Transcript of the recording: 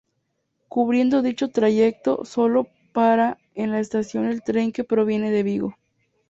Cubriendo dicho trayecto solo para en la estación el tren que proviene de Vigo.